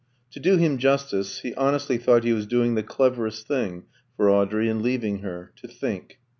To do him justice, he honestly thought he was doing "the cleverest thing" for Audrey in leaving her to think.